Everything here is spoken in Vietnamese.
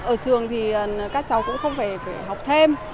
ở trường thì các cháu cũng không phải học thêm